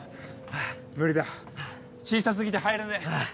無理だ小さ過ぎて入れねえ。